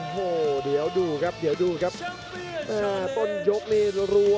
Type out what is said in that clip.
โปรดติดตามต่อไป